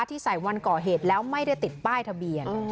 ที่ใส่วันก่อเหตุแล้วไม่ได้ติดป้ายทะเบียน